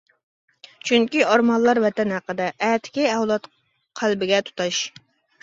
چۈنكى ئارمانلار ۋەتەن ھەققىدە، ئەتىكى ئەۋلاد قەلبىگە تۇتاش.